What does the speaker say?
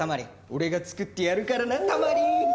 俺が作ってやるからなタマリン！